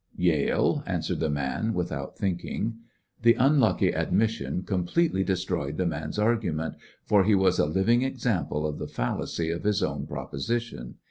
"Yale," answered the man, without thinking. The unlucky admission completely de stroyed the man's argument, for he was a living example of the fallacy of his own proposition.